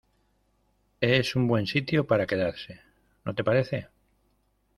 es un buen sitio para quedarse, ¿ no te parece?